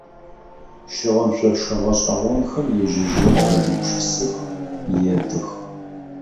Щыгъын шъошэ гъэшӏэгъонхэр ежь-ежьырэу къеугупшысых, едых.